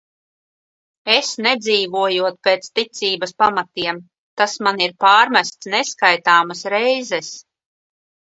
Es nedzīvojot pēc ticības pamatiem, tas man ir pārmests neskaitāmas reizes.